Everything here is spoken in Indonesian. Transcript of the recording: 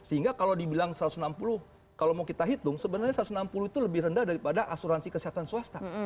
sehingga kalau dibilang satu ratus enam puluh kalau mau kita hitung sebenarnya satu ratus enam puluh itu lebih rendah daripada asuransi kesehatan swasta